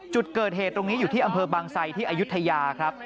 จุดเกิดเหตุตรงนี้อยู่ที่อำเภอบางไซที่อายุทยาครับ